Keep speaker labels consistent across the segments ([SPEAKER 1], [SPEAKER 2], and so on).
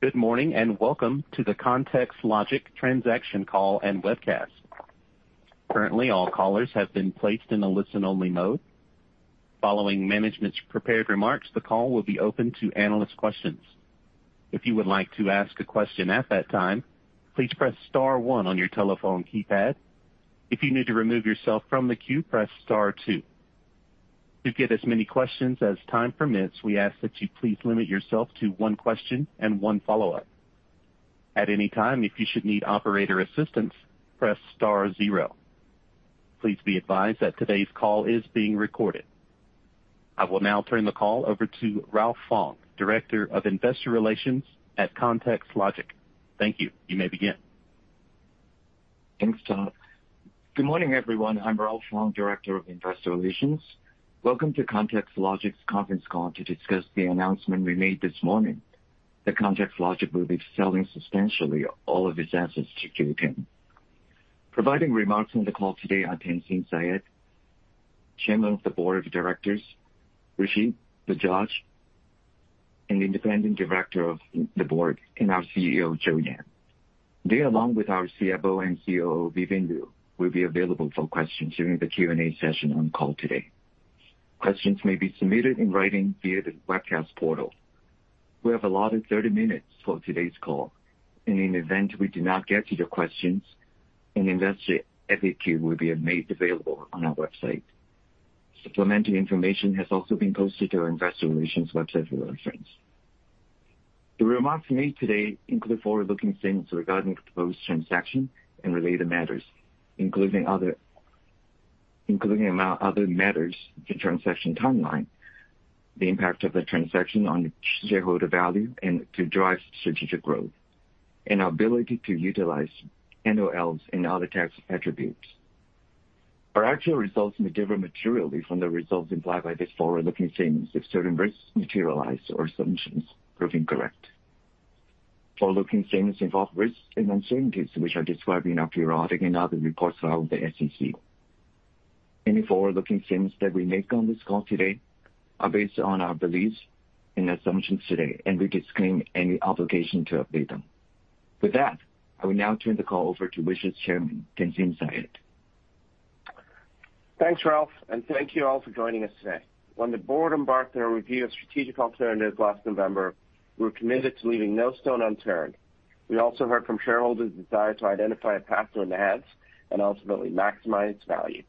[SPEAKER 1] Good morning and welcome to the ContextLogic transaction call and webcast. Currently all callers have been placed in a listen-only mode. Following management's prepared remarks, the call will be open to analyst questions. If you would like to ask a question at that time, please press star one on your telephone keypad. If you need to remove yourself from the queue, press star two. To get as many questions as time permits, we ask that you please limit yourself to one question and one follow-up. At any time, if you should need operator assistance, press star zero. Please be advised that today's call is being recorded. I will now turn the call over to Ralph Fong, Director of Investor Relations at ContextLogic. Thank you. You may begin.
[SPEAKER 2] Thanks, Todd. Good morning, everyone. I'm Ralph Fong, Director of Investor Relations. Welcome to ContextLogic's conference call to discuss the announcement we made this morning, that ContextLogic will be selling substantially all of its assets to Qoo10. Providing remarks on the call today are Tanzeen Syed, Chairman of the Board of Directors, Rishi Bajaj, an independent director of the board, and our CEO, Joe Yan. They, along with our CFO and COO, Vivian Liu, will be available for questions during the Q&A session on call today. Questions may be submitted in writing via the webcast portal. We have allotted 30 minutes for today's call. In an event we do not get to your questions, an investor FAQ will be made available on our website. Supplementary information has also been posted to our investor relations website for reference. The remarks made today include forward-looking things regarding the proposed transaction and related matters, including among other matters, the transaction timeline, the impact of the transaction on shareholder value and to drive strategic growth, and our ability to utilize NOLs and other tax attributes. Our actual results may differ materially from the results implied by these forward-looking statements if certain risks materialize or assumptions proven incorrect. Forward-looking statements involve risks and uncertainties which are described in our periodic and other reports filed with the SEC. Any forward-looking statements that we make on this call today are based on our beliefs and assumptions today, and we disclaim any obligation to update them. With that, I will now turn the call over to Wish's Chairman, Tanzeen Syed.
[SPEAKER 3] Thanks, Ralph, and thank you all for joining us today. When the board embarked on a review of strategic alternatives last November, we were committed to leaving no stone unturned. We also heard from shareholders' desire to identify a path to enhance and ultimately maximize value.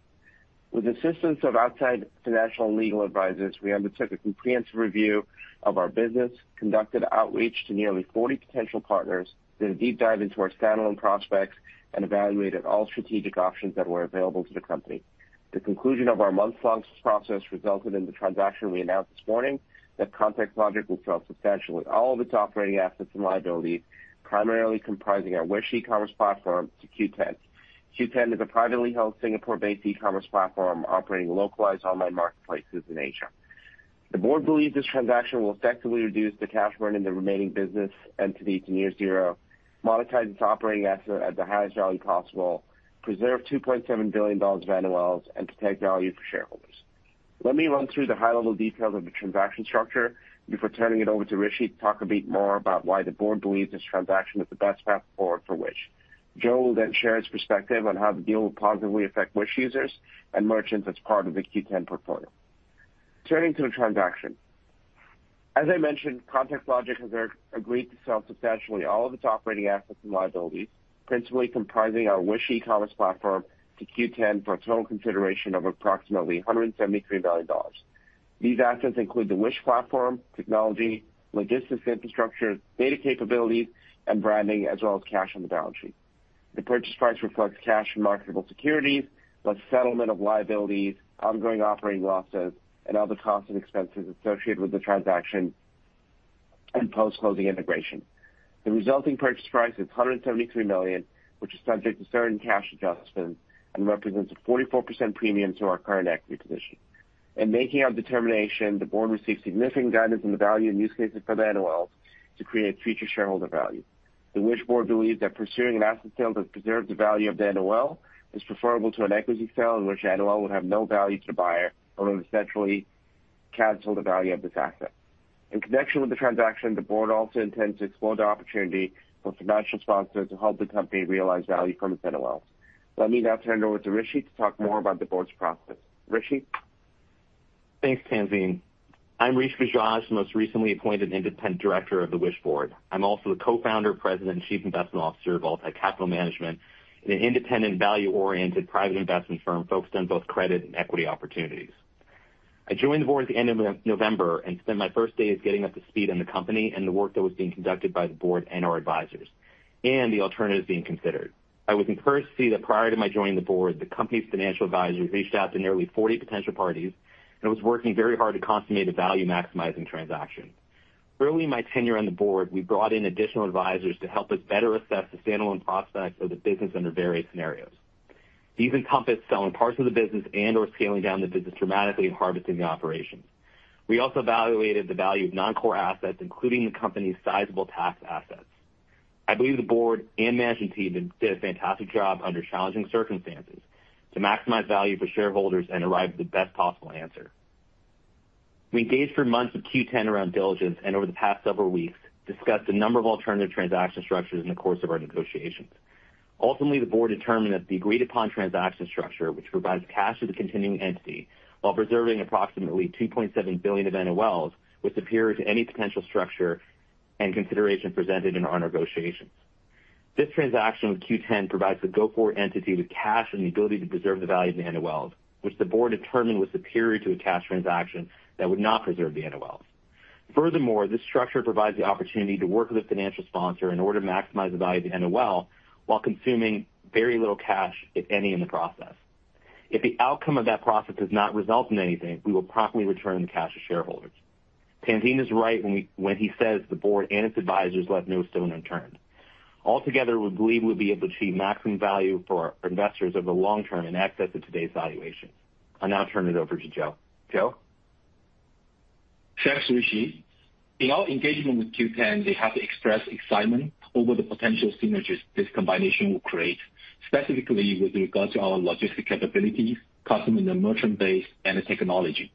[SPEAKER 3] With the assistance of outside financial and legal advisors, we undertook a comprehensive review of our business, conducted outreach to nearly 40 potential partners, did a deep dive into our standalone prospects, and evaluated all strategic options that were available to the company. The conclusion of our months-long process resulted in the transaction we announced this morning, that ContextLogic will sell substantially all of its operating assets and liabilities, primarily comprising our Wish e-commerce platform, to Qoo10. Qoo10 is a privately held Singapore-based e-commerce platform operating localized online marketplaces in Asia. The board believes this transaction will effectively reduce the cash burn in the remaining business entity to near zero, monetize its operating asset at the highest value possible, preserve $2.7 billion of NOLs, and protect value for shareholders. Let me run through the high-level details of the transaction structure before turning it over to Rishi to talk a bit more about why the board believes this transaction is the best path forward for Wish. Joe will then share his perspective on how the deal will positively affect Wish users and merchants as part of the Qoo10 portfolio. Turning to the transaction. As I mentioned, ContextLogic has agreed to sell substantially all of its operating assets and liabilities, principally comprising our Wish e-commerce platform to Qoo10 for a total consideration of approximately $173 million. These assets include the Wish platform, technology, logistics infrastructure, data capabilities, and branding, as well as cash on the balance sheet. The purchase price reflects cash and marketable securities, plus settlement of liabilities, ongoing operating losses, and other costs and expenses associated with the transaction and post-closing integration. The resulting purchase price is $173 million, which is subject to certain cash adjustments and represents a 44% premium to our current equity position. In making our determination, the board received significant guidance on the value and use cases for the NOLs to create future shareholder value. The Wish board believes that pursuing an asset sale that preserves the value of the NOL is preferable to an equity sale in which NOL would have no value to the buyer and would essentially cancel the value of this asset. In connection with the transaction, the board also intends to explore the opportunity for financial sponsors to help the company realize value from its NOLs. Let me now turn it over to Rishi to talk more about the board's process. Rishi?
[SPEAKER 4] Thanks, Tanzeen. I'm Rishi Bajaj, the most recently appointed independent director of the Wish board. I'm also the co-founder, president, and chief investment officer of Altai Capital Management, an independent, value-oriented, private investment firm focused on both credit and equity opportunities. I joined the board at the end of November and spent my first days getting up to speed on the company and the work that was being conducted by the board and our advisors, and the alternatives being considered. I was encouraged to see that prior to my joining the board, the company's financial advisors reached out to nearly 40 potential parties, and it was working very hard to consummate a value-maximizing transaction. Early in my tenure on the board, we brought in additional advisors to help us better assess the standalone prospects of the business under various scenarios. These encompassed selling parts of the business and/or scaling down the business dramatically and harvesting the operations. We also evaluated the value of non-core assets, including the company's sizable tax assets. I believe the board and management team did a fantastic job under challenging circumstances to maximize value for shareholders and arrive at the best possible answer. We engaged for months with Qoo10 around diligence and, over the past several weeks, discussed a number of alternative transaction structures in the course of our negotiations. Ultimately, the board determined that the agreed-upon transaction structure, which provides cash to the continuing entity while preserving approximately $2.7 billion of NOLs, was superior to any potential structure and consideration presented in our negotiations. This transaction with Qoo10 provides the go-forward entity with cash and the ability to preserve the value of the NOLs, which the board determined was superior to a cash transaction that would not preserve the NOLs. Furthermore, this structure provides the opportunity to work with a financial sponsor in order to maximize the value of the NOL while consuming very little cash, if any, in the process. If the outcome of that process does not result in anything, we will promptly return the cash to shareholders. Tanzeen is right when he says the board and its advisors left no stone unturned. Altogether, we believe we would be able to achieve maximum value for our investors over the long term and access to today's valuation. I'll now turn it over to Joe. Joe?
[SPEAKER 5] Thanks, Rishi. In our engagement with Qoo10, we had to express excitement over the potential synergies this combination will create, specifically with regard to our logistics capabilities, customer and merchant base, and the technology.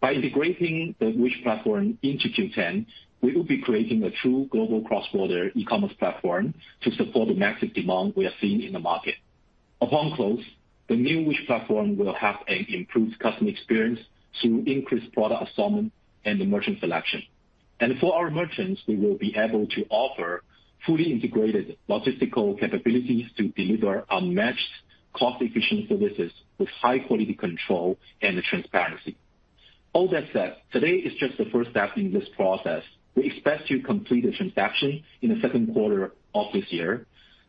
[SPEAKER 5] By integrating the Wish platform into Qoo10, we will be creating a true global cross-border e-commerce platform to support the massive demand we are seeing in the market. Upon close, the new Wish platform will have an improved customer experience through increased product assortment and the merchant selection. For our merchants, we will be able to offer fully integrated logistical capabilities to deliver unmatched cost-efficient services with high-quality control and transparency. All that said, today is just the first step in this process. We expect to complete the transaction in the second quarter of this year,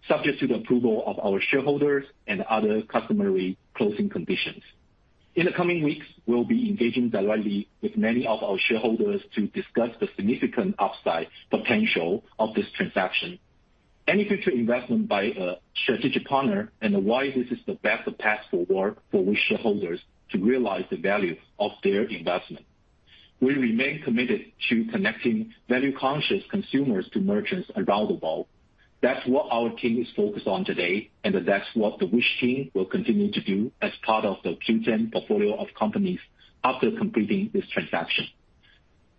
[SPEAKER 5] subject to the approval of our shareholders and other customary closing conditions. In the coming weeks, we'll be engaging directly with many of our shareholders to discuss the significant upside potential of this transaction, any future investment by a strategic partner, and why this is the best path forward for Wish shareholders to realize the value of their investment. We remain committed to connecting value-conscious consumers to merchants around the world. That's what our team is focused on today, and that's what the Wish team will continue to do as part of the Qoo10 portfolio of companies after completing this transaction.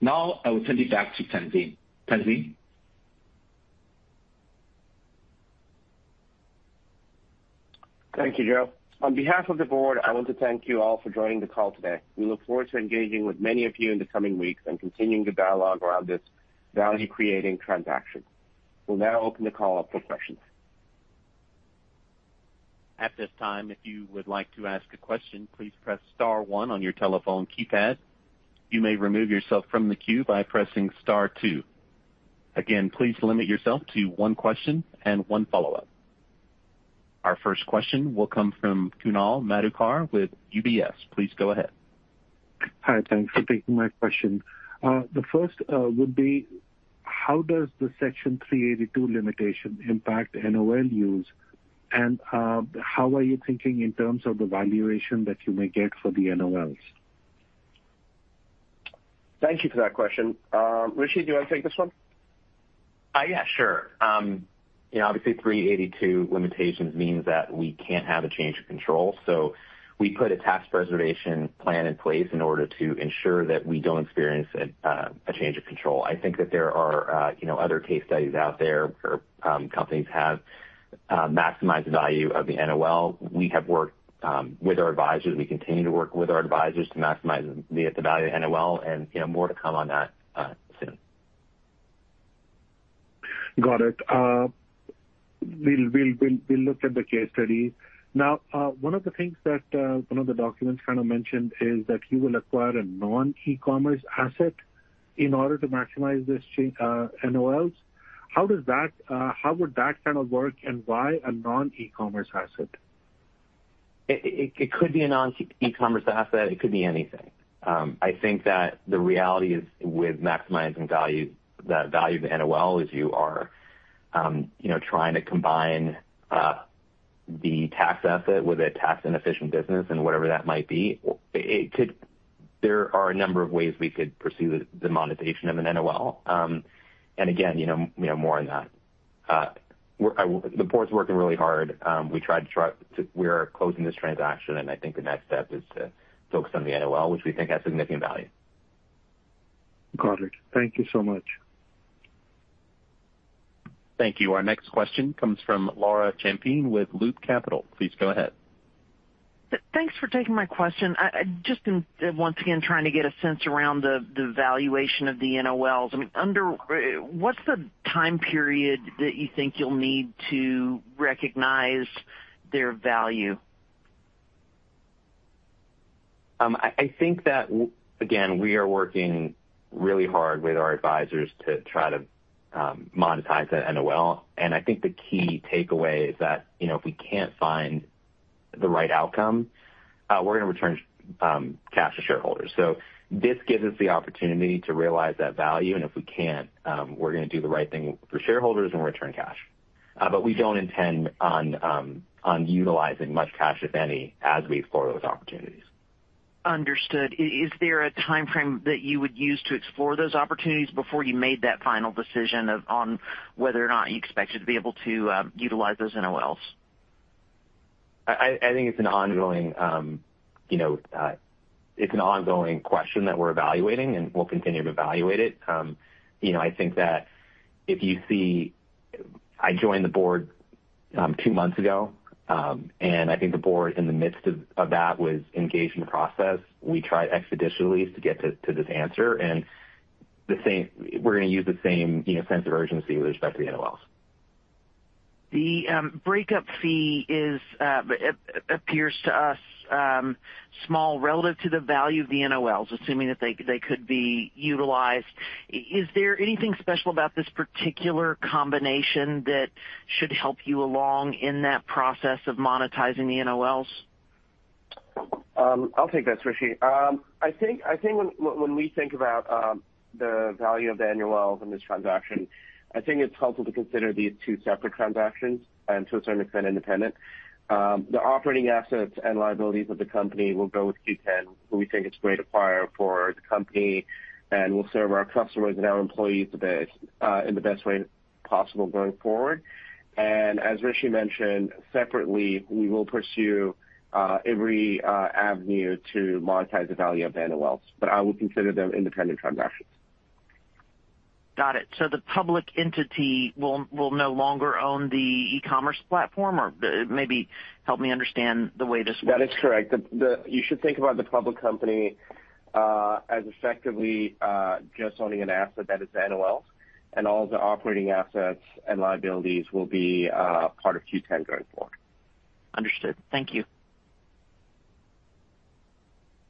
[SPEAKER 5] Now, I will turn it back to Tanzeen. Tanzeen?
[SPEAKER 3] Thank you, Joe. On behalf of the board, I want to thank you all for joining the call today. We look forward to engaging with many of you in the coming weeks and continuing the dialogue around this value-creating transaction. We'll now open the call up for questions.
[SPEAKER 1] At this time, if you would like to ask a question, please press star one on your telephone keypad. You may remove yourself from the queue by pressing star two. Again, please limit yourself to one question and one follow-up. Our first question will come from Kunal Madhukar with UBS. Please go ahead.
[SPEAKER 6] Hi. Thanks for taking my question. The first would be, how does the Section 382 limitation impact NOL use, and how are you thinking in terms of the valuation that you may get for the NOLs?
[SPEAKER 3] Thank you for that question. Rishi, do you want to take this one?
[SPEAKER 4] Yeah, sure. Obviously, Section 382 limitations means that we can't have a change of control. So we put a Tax Preservation Plan in place in order to ensure that we don't experience a change of control. I think that there are other case studies out there where companies have maximized the value of the NOL. We have worked with our advisors. We continue to work with our advisors to maximize the value of the NOL, and more to come on that soon.
[SPEAKER 6] Got it. We'll look at the case study. Now, one of the things that one of the documents kind of mentioned is that you will acquire a non-e-commerce asset in order to maximize these NOLs. How would that kind of work, and why a non-e-commerce asset?
[SPEAKER 4] It could be a non-e-commerce asset. It could be anything. I think that the reality is, with maximizing value, the value of the NOL is you are trying to combine the tax asset with a tax-inefficient business and whatever that might be. There are a number of ways we could pursue the monetization of an NOL, and again, more on that. The board's working really hard. We are closing this transaction, and I think the next step is to focus on the NOL, which we think has significant value.
[SPEAKER 6] Got it. Thank you so much.
[SPEAKER 1] Thank you. Our next question comes from Laura Champine with Loop Capital. Please go ahead.
[SPEAKER 7] Thanks for taking my question. Just once again, trying to get a sense around the valuation of the NOLs. What's the time period that you think you'll need to recognize their value?
[SPEAKER 4] I think that, again, we are working really hard with our advisors to try to monetize the NOL. And I think the key takeaway is that if we can't find the right outcome, we're going to return cash to shareholders. So this gives us the opportunity to realize that value, and if we can't, we're going to do the right thing for shareholders and return cash. But we don't intend on utilizing much cash, if any, as we explore those opportunities.
[SPEAKER 7] Understood. Is there a time frame that you would use to explore those opportunities before you made that final decision on whether or not you expected to be able to utilize those NOLs?
[SPEAKER 4] I think it's an ongoing question that we're evaluating, and we'll continue to evaluate it. I think that if you see, I joined the board two months ago, and I think the board, in the midst of that, was engaged in the process. We tried expeditiously to get to this answer, and we're going to use the same sense of urgency with respect to the NOLs.
[SPEAKER 7] The breakup fee appears to us small relative to the value of the NOLs, assuming that they could be utilized. Is there anything special about this particular combination that should help you along in that process of monetizing the NOLs?
[SPEAKER 3] I'll take this, Rishi. I think when we think about the value of the NOLs in this transaction, I think it's helpful to consider these two separate transactions and, to a certain extent, independent. The operating assets and liabilities of the company will go with Qoo10, who we think is a great acquirer for the company, and will serve our customers and our employees in the best way possible going forward. And as Rishi mentioned, separately, we will pursue every avenue to monetize the value of the NOLs, but I will consider them independent transactions.
[SPEAKER 7] Got it. So the public entity will no longer own the e-commerce platform, or maybe help me understand the way this works?
[SPEAKER 3] That is correct. You should think about the public company as effectively just owning an asset that is the NOLs, and all the operating assets and liabilities will be part of Qoo10 going forward.
[SPEAKER 7] Understood. Thank you.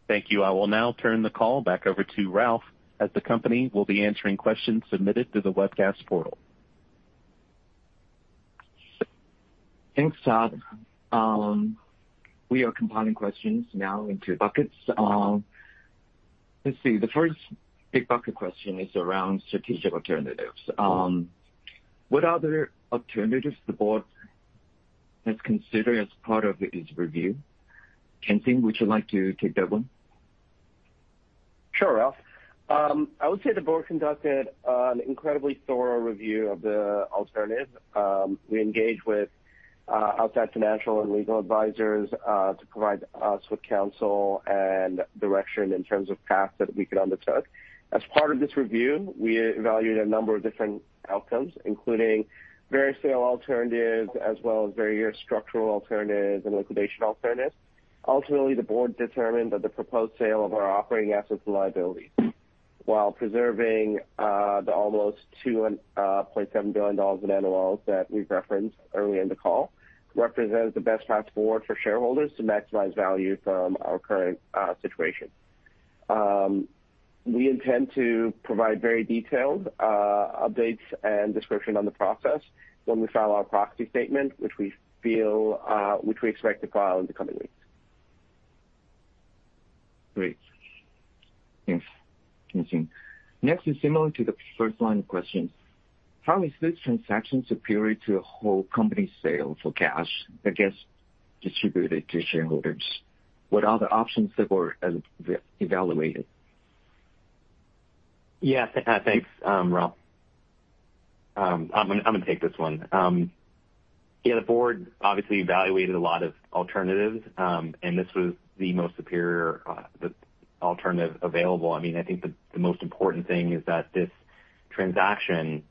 [SPEAKER 1] Thank you. I will now turn the call back over to Ralph, as the company will be answering questions submitted through the webcast portal.
[SPEAKER 2] Thanks, Todd. We are compiling questions now into buckets. Let's see. The first big bucket question is around strategic alternatives. What other alternatives the board has considered as part of its review? Tanzeen, would you like to take that one?
[SPEAKER 3] Sure, Ralph. I would say the board conducted an incredibly thorough review of the alternatives. We engaged with outside financial and legal advisors to provide us with counsel and direction in terms of paths that we could undertake. As part of this review, we evaluated a number of different outcomes, including various sale alternatives as well as various structural alternatives and liquidation alternatives. Ultimately, the board determined that the proposed sale of our operating assets and liabilities, while preserving the almost $2.7 billion in NOLs that we've referenced early in the call, represents the best path forward for shareholders to maximize value from our current situation. We intend to provide very detailed updates and description on the process when we file our proxy statement, which we expect to file in the coming weeks.
[SPEAKER 2] Great. Thanks, Tanzeen. Next is similar to the first line of questions. How is this transaction superior to a whole company sale for cash that gets distributed to shareholders? What are the options that were evaluated?
[SPEAKER 4] Yeah, thanks, Ralph. I'm going to take this one. Yeah, the board obviously evaluated a lot of alternatives, and this was the most superior alternative available. I mean, I think the most important thing is that this transaction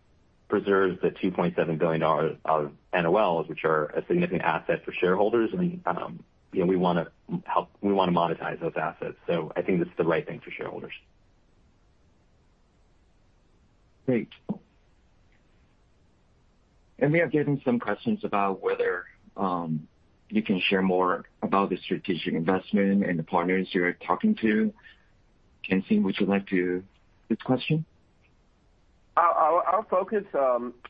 [SPEAKER 4] preserves the $2.7 billion of NOLs, which are a significant asset for shareholders, and we want to monetize those assets. So I think this is the right thing for shareholders.
[SPEAKER 2] Great. We have given some questions about whether you can share more about the strategic investment and the partners you're talking to. Tanzeen, would you like to this question?
[SPEAKER 3] Our focus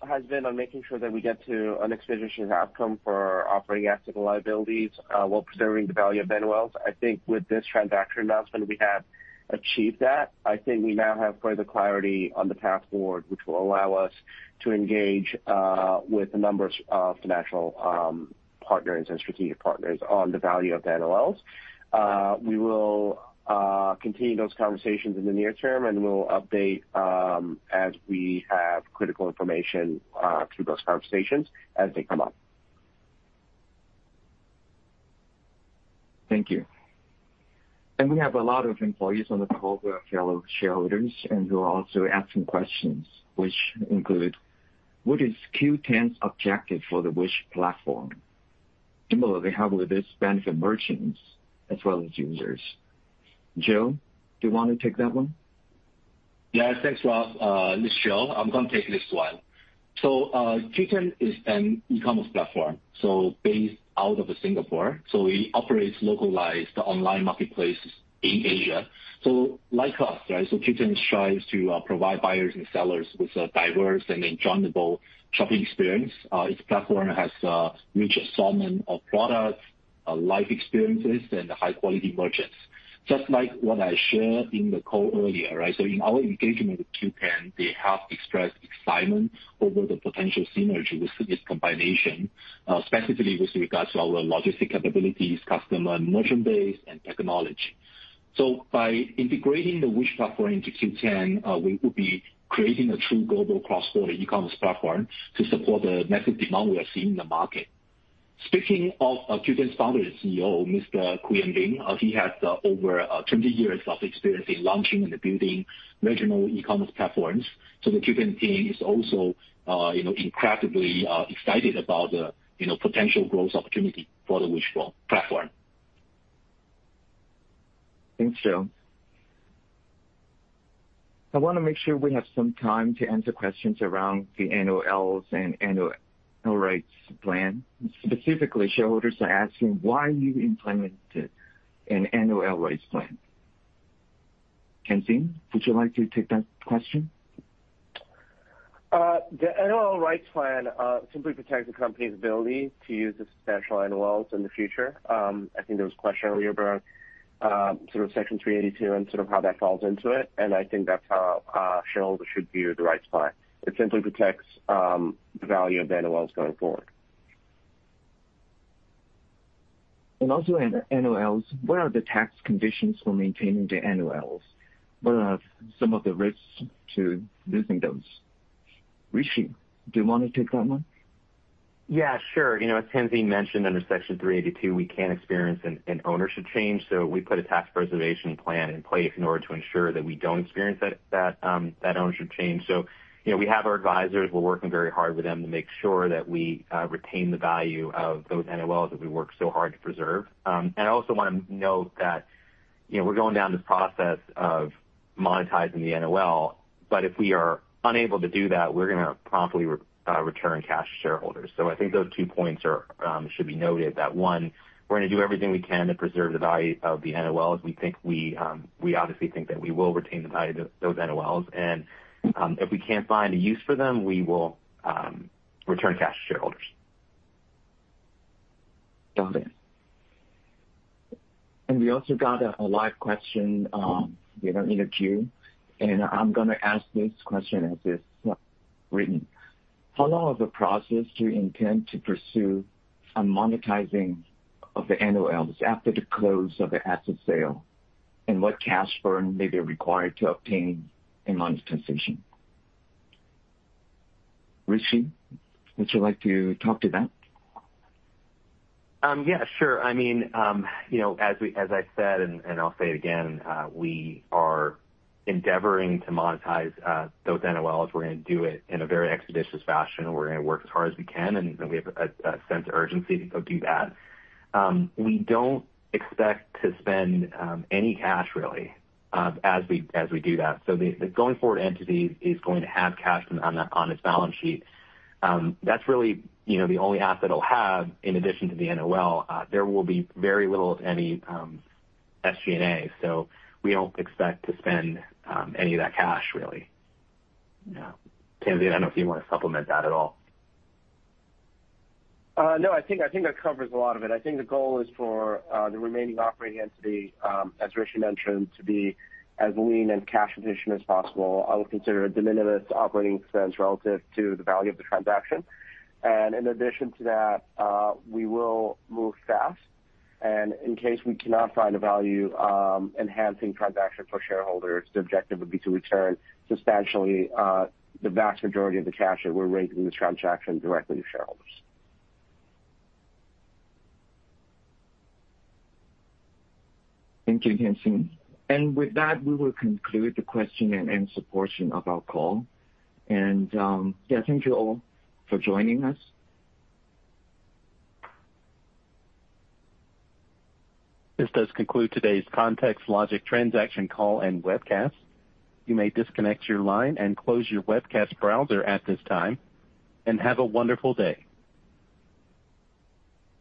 [SPEAKER 3] has been on making sure that we get to an expeditious outcome for our operating assets and liabilities while preserving the value of NOLs. I think with this transaction announcement, we have achieved that. I think we now have further clarity on the path forward, which will allow us to engage with a number of financial partners and strategic partners on the value of the NOLs. We will continue those conversations in the near term, and we'll update as we have critical information through those conversations as they come up.
[SPEAKER 2] Thank you. We have a lot of employees on the call who are fellow shareholders and who are also asking questions, which include, what is Qoo10's objective for the Wish platform? Similarly, how will this benefit merchants as well as users? Joe, do you want to take that one?
[SPEAKER 5] Yeah, thanks, Ralph. This is Joe. I'm going to take this one. So Qoo10 is an e-commerce platform, so based out of Singapore. So it operates localized, the online marketplace in Asia. So like us, right? So Qoo10 strives to provide buyers and sellers with a diverse and enjoyable shopping experience. Its platform has a rich assortment of products, life experiences, and high-quality merchants. Just like what I shared in the call earlier, right? So in our engagement with Qoo10, they have expressed excitement over the potential synergy with its combination, specifically with regards to our logistic capabilities, customer merchant base, and technology. So by integrating the Wish platform into Qoo10, we would be creating a true global cross-border e-commerce platform to support the massive demand we are seeing in the market. Speaking of Qoo10's founder and CEO, Mr. Ku Young Bae, he has over 20 years of experience in launching and building regional e-commerce platforms. So the Qoo10 team is also incredibly excited about the potential growth opportunity for the Wish platform.
[SPEAKER 2] Thanks, Joe. I want to make sure we have some time to answer questions around the NOLs and NOL Rights Plan. Specifically, shareholders are asking why you implemented an NOL Rights Plan. Tanzeen, would you like to take that question?
[SPEAKER 3] The NOL Rights Plan simply protects a company's ability to use its net NOLs in the future. I think there was a question earlier about sort of Section 382 and sort of how that falls into it, and I think that's how shareholders should view the rights plan. It simply protects the value of the NOLs going forward.
[SPEAKER 2] Also, NOLs, what are the tax conditions for maintaining the NOLs? What are some of the risks to losing those? Rishi, do you want to take that one?
[SPEAKER 4] Yeah, sure. As Tanzeen mentioned, under Section 382, we can experience an ownership change, so we put a Tax Preservation Plan in place in order to ensure that we don't experience that ownership change. So we have our advisors. We're working very hard with them to make sure that we retain the value of those NOLs that we work so hard to preserve. And I also want to note that we're going down this process of monetizing the NOL, but if we are unable to do that, we're going to promptly return cash to shareholders. So I think those two points should be noted, that one, we're going to do everything we can to preserve the value of the NOLs. We obviously think that we will retain the value of those NOLs, and if we can't find a use for them, we will return cash to shareholders.
[SPEAKER 2] Got it. And we also got a live question in the queue, and I'm going to ask this question as it's written. How long of a process do you intend to pursue on monetizing of the NOLs after the close of the asset sale, and what cash burn may be required to obtain a monetization? Rishi, would you like to talk to that?
[SPEAKER 4] Yeah, sure. I mean, as I said, and I'll say it again, we are endeavoring to monetize those NOLs. We're going to do it in a very expeditious fashion. We're going to work as hard as we can, and we have a sense of urgency to go do that. We don't expect to spend any cash, really, as we do that. So the going forward entity is going to have cash on its balance sheet. That's really the only asset it'll have in addition to the NOL. There will be very little, if any, SG&A. So we don't expect to spend any of that cash, really. Yeah. Tanzeen, I don't know if you want to supplement that at all.
[SPEAKER 3] No, I think that covers a lot of it. I think the goal is for the remaining operating entity, as Rishi mentioned, to be as lean and cash efficient as possible. I would consider a de minimis operating expense relative to the value of the transaction. And in addition to that, we will move fast, and in case we cannot find a value-enhancing transaction for shareholders, the objective would be to return substantially the vast majority of the cash that we're raising in this transaction directly to shareholders.
[SPEAKER 2] Thank you, Tanzeen. With that, we will conclude the question and answer portion of our call. Yeah, thank you all for joining us.
[SPEAKER 1] This does conclude today's ContextLogic Transaction Call and webcast. You may disconnect your line and close your webcast browser at this time. Have a wonderful day.